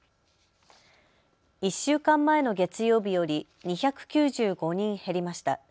１週間前の月曜日より２９５人減りました。